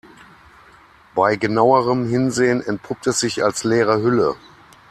Bei genauerem Hinsehen entpuppt es sich als leere Hülle.